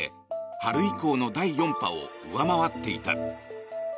春以降の第４波を上回っていた。